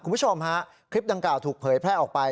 คุณผู้ชมฮะคลิปดังกล่าวถูกเผยแพร่ออกไป